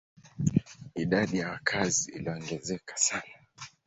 Idadi ya wakazi iliongezeka sana.